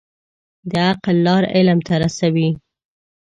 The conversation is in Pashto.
د عقل لار علم ته رسوي.